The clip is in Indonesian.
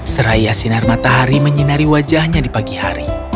serai asinar matahari menyinari wajahnya di pagi hari